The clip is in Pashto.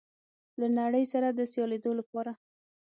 له نړۍ سره د سیالېدو لپاره